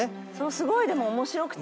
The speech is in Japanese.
すごいでも面白くて。